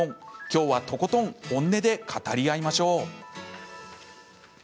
きょうはとことん本音で語り合いましょう。